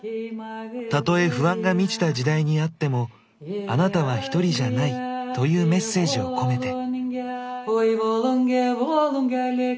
「たとえ不安が満ちた時代にあってもあなたはひとりじゃない」というメッセージをこめて。